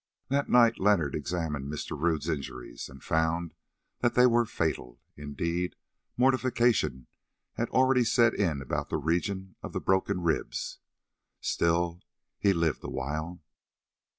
That night Leonard examined Mr. Rodd's injuries, and found that they were fatal; indeed, mortification had already set in about the region of the broken ribs. Still he lived awhile.